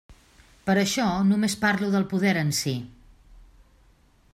Per això només parlo del poder en si.